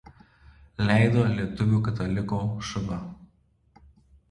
Leido Lietuvių Katalikų šv.